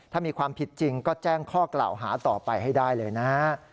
ถ้ามีความผิดจริงก็แจ้งข้อกล่าวหาต่อไปให้ได้เลยนะฮะ